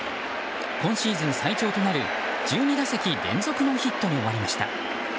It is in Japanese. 今シーズン最長となる１２打席連続ノーヒットに終わりました。